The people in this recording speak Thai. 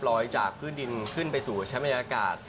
ลอยจากพื้นดินขึ้นไปสู่ชั้นบรรยากาศ